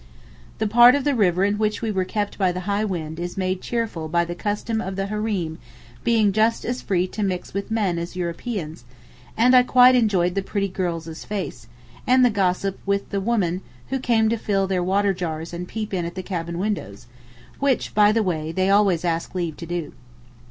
The part of the river in which we were kept by the high wind is made cheerful by the custom of the Hareem being just as free to mix with men as Europeans, and I quite enjoyed the pretty girls' faces, and the gossip with the women who came to fill their water jars and peep in at the cabin windows, which, by the way, they always ask leave to do.